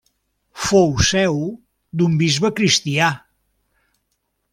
Fou seu d'un bisbe cristià.